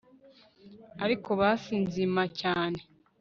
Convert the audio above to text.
ariko basi nzima cyane